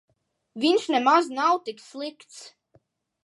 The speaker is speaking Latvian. Viņš nav nemaz tik slikts.